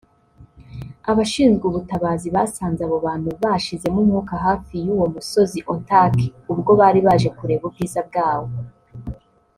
Abashinzwe ubutabazi basanze abo bantu bashizemo umwuka hafi y’uwo Musozi Ontake ubwo bari baje kureba ubwiza bwawo